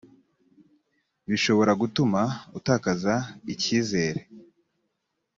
bishobora gutuma utakaza icyizere